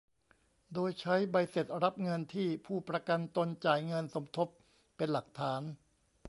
โดยใช้ใบเสร็จรับเงินที่ผู้ประกันตนจ่ายเงินสมทบเป็นหลักฐาน